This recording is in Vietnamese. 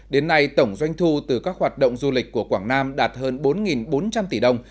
đến nay tổng doanh thu từ các hoạt động du lịch của quảng nam đạt hơn bốn bốn trăm linh tỷ đồng